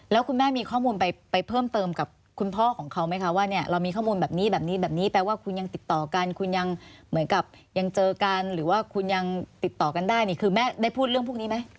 แล้วคุณแม่มีข้อมูลไปเพิ่มเติมกับคุณพ่อของเขาไหมคะว่าเนี่ยเรามีข้อมูลแบบนี้แบบนี้แบบนี้แบบนี้แปลว่าคุณยังติดต่อกันคุณยังเหมือนกับยังเจอกันหรือว่าคุณยังติดต่อกันได้นี่คือแม่ได้พูดเรื่องพวกนี้ไหม